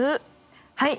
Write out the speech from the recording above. はい。